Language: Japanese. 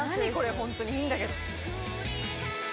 本当にいいんだけど。